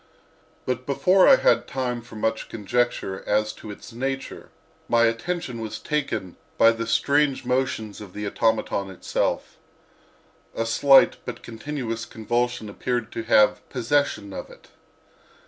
But before I had time for much conjecture as to its nature my attention was taken by the strange motions of the automaton itself. A slight but continuous convulsion appeared to have possession of it.